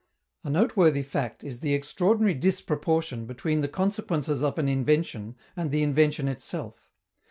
A noteworthy fact is the extraordinary disproportion between the consequences of an invention and the invention itself.